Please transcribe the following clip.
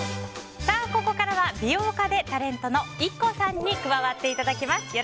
ここからは美容家でタレントのＩＫＫＯさんに加わっていただきます。